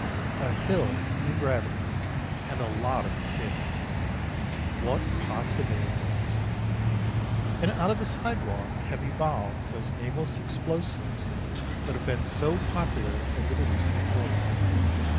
A hill and gravity and a lot of kids, what possibilities. And out of the sidewalk have evolved those nameless explosives that have been so popular over the recent Fourth.